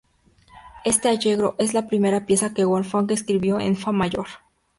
Este "Allegro" es la primera pieza que Wolfgang escribió en fa mayor.